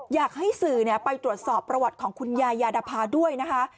อยากให้สื่อไปตรวจสอบประวัติของคุณยายยาดภาด้วยนะคะ